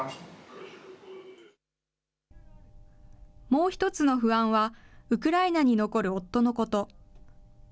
もう１つの不安は、ウクライナに残る夫のこと。